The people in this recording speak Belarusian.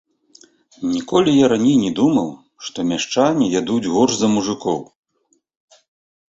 Ніколі я раней не думаў, што мяшчане ядуць горш за мужыкоў.